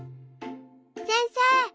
せんせい！